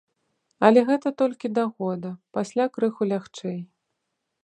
Але гэта толькі да года, пасля крыху лягчэй.